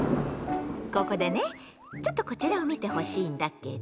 ここでねちょっとこちらを見てほしいんだけど。